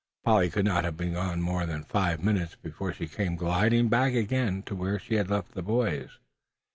Polly could not have been gone more than five minutes before she came gliding back again to where she had left the boys.